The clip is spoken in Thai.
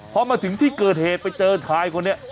พอมาถึงที่เกิดเหตุไปเจอชายคนนี้